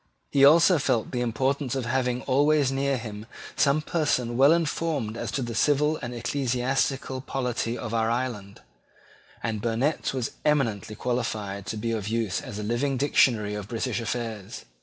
He also felt the importance of having always near him some person well informed as to the civil and ecclesiastical polity of our island: and Burnet was eminently qualified to be of use as a living dictionary of British affairs.